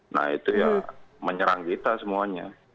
nah itu ya menyerang kita semuanya